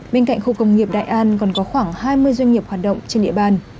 bên cạnh khu công nghiệp đại an còn có khoảng hai mươi doanh nghiệp hoạt động trên địa bàn